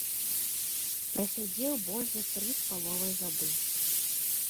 Прасядзеў больш за тры з паловай гады.